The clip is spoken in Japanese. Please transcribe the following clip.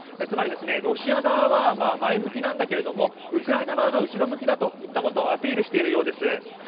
つまり、ロシア側は前向きなんだけれどもウクライナ側が後ろ向きということをアピールしているようです。